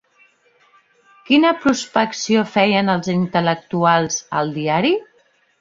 Quina prospecció feien els intel·lectuals al diari?